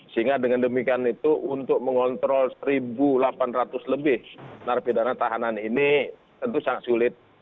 sehingga dengan demikian itu untuk mengontrol satu delapan ratus lebih narapidana tahanan ini tentu sangat sulit